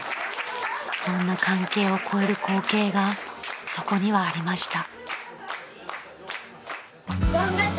［そんな関係を超える光景がそこにはありました］